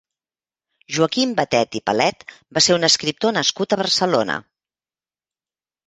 Joaquim Batet i Palet va ser un escriptor nascut a Barcelona.